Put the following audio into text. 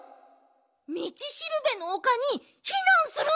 みちしるべのおかにひなんするんだった。